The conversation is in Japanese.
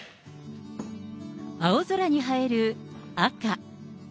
青空に映える赤。